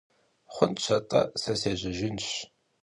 Xhunş at'e, se sêjejjın.